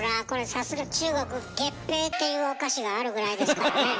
さすが中国「月餅」っていうお菓子があるぐらいですからねえ。